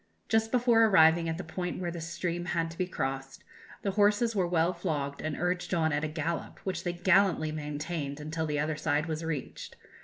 Just before arriving at the point where the stream had to be crossed, the horses were well flogged and urged on at a gallop, which they gallantly maintained until the other side was reached.